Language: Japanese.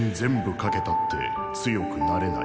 懸けたって強くなれない”？